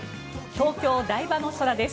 東京・台場の空です。